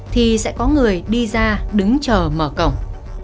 thì sẽ có người đi ra đứng chờ mở cổng